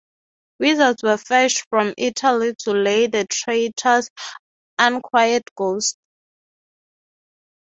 Wizards were fetched from Italy to lay the traitor's unquiet ghost.